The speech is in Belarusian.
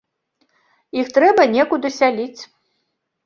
Іх трэба некуды сяліць.